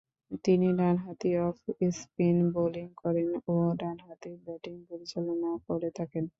তিনি ডানহাতি off-spin bowling করেন ও ডানহাতে ব্যাটিং পরিচালনা করে থাকেন।